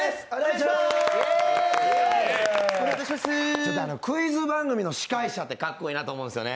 ちょっとクイズ番組の司会者ってかっこいいと思うんですよね。